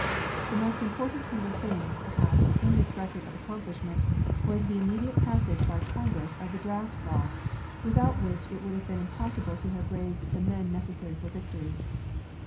The most important single thing, perhaps, in this record of accomplishment, was the immediate passage by Congress of the draft law, without which it would have been impossible to have raised the men necessary for victory.